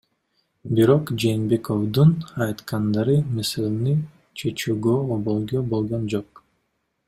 Бирок Жээнбековдун айткандары маселени чечүүгө өбөлгө болгон жок.